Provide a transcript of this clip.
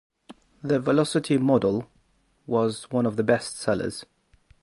The "VeloCiti" model was one of the best sellers.